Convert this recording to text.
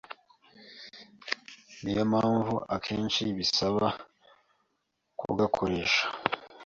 Niyo mpamvu akenshi bisaba kugakoresha